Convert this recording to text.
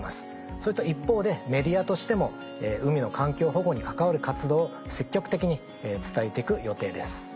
そういった一方でメディアとしても海の環境保護に関わる活動を積極的に伝えて行く予定です。